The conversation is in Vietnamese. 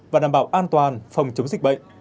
và đảm bảo an toàn phòng chống dịch bệnh